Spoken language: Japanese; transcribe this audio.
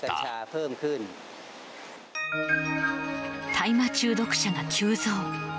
大麻中毒者が急増。